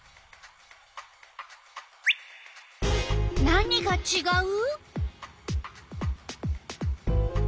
何がちがう？